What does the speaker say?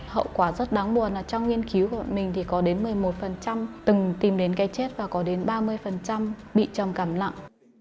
hậu quả rất đáng buồn là trong nghiên cứu của mình thì có đến một mươi một từng tìm đến gây chết và có đến ba mươi bị trầm cảm lặng